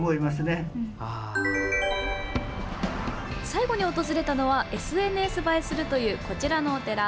最後に訪れたのはＳＮＳ映えするというこちらのお寺。